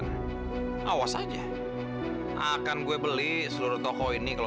dupa aku bakal sakit segala